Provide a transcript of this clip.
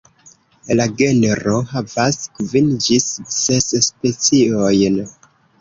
La genro havas kvin ĝis ses speciojn.